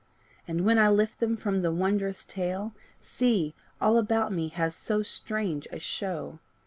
And when I lift them from the wondrous tale, See, all about me has so strange a show!